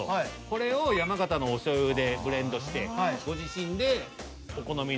これを山形のお醤油でブレンドしてご自身で。